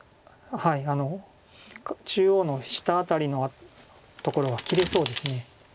中央の下辺りのところは切れそうです。